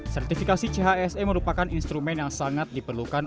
sertifikasi chse merupakan instrumen yang sangat diperlukan